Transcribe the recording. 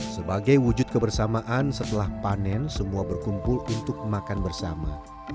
sebagai wujud kebersamaan setelah panen semua berkumpul untuk makan bersama